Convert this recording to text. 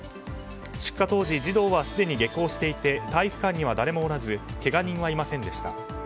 出火当時児童はすでに下校していて体育館には誰もおらずけが人はいませんでした。